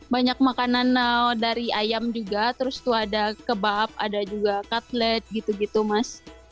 banyak makanan dari ayam juga terus tuh ada kebab ada juga katlet gitu gitu mas